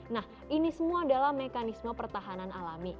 nah ini semua adalah mekanisme pertahanan alami